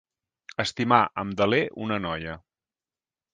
Estimar amb deler una noia.